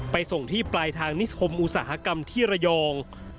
ส่งที่ปลายทางนิคมอุตสาหกรรมที่ระยอง